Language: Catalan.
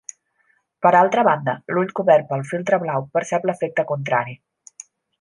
Per altra banda, l'ull cobert pel filtre blau percep l'efecte contrari.